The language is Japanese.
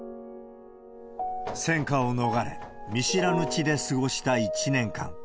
戦火を逃れ、見知らぬ地で過ごした１年間。